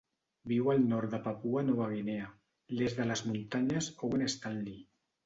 Viu al nord de Papua Nova Guinea: l'est de les muntanyes Owen Stanley.